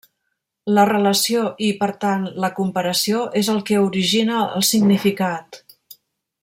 La relació, i per tant, la comparació és el que origina el significat.